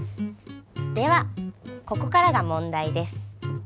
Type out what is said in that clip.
ではここからが問題です。